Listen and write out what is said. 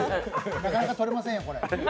なかなか撮れませんよ、これ。